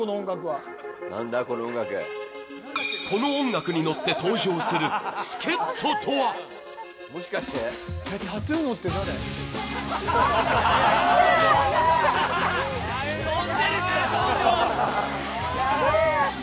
この音楽に乗って登場する助っ人とは頑張れ、１分だ、１分。